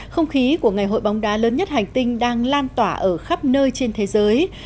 không khí của ngày hội bóng đá lớn nhất hành tinh đang lan tỏa ở khắp nơi trên thế giới